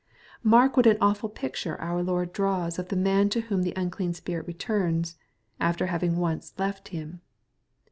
Mark what an awful picture our Lord draws of the man to whom the unclean spirit returns, after having once left him.